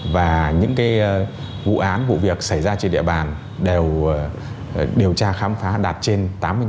và những vụ án vụ việc xảy ra trên địa bàn đều điều tra khám phá đạt trên tám mươi